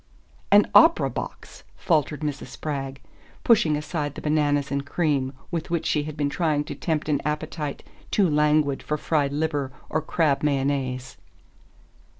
"An opera box!" faltered Mrs. Spragg, pushing aside the bananas and cream with which she had been trying to tempt an appetite too languid for fried liver or crab mayonnaise.